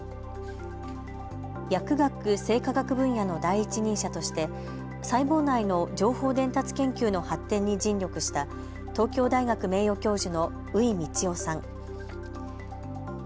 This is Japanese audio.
薬学・生化学分野の第一人者として細胞内の情報伝達研究の発展に尽力した東京大学名誉教授の宇井理生さん。